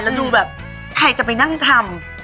แล้วดูแบบใครจะไปนั่งทำ